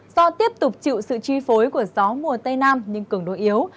do tiếp tục chịu sự chi phối của gió mùa tây nam nhưng cứng đối yếu